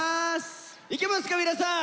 いけますか皆さん！